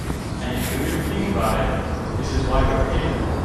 And if you really think about it, this is why we are here.